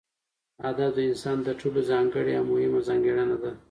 ادب دانسان تر ټولو ځانګړې او مهمه ځانګړنه ده